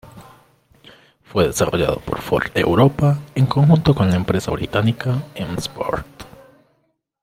Fue desarrollado por Ford Europa en conjunto con la empresa británica M-Sport.